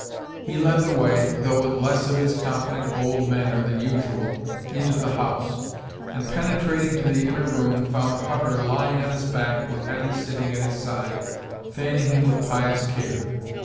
He led the way, though with less of his confident bold manner than usual, into the house, and penetrating to the inner room, found Hutter lying on his back with Hetty sitting at his side, fanning him with pious care.